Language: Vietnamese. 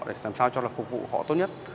để làm sao cho là phục vụ họ tốt nhất